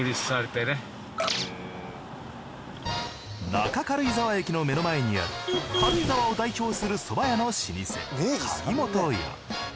中軽井沢駅の目の前にある軽井沢を代表するそば屋の老舗かぎもとや。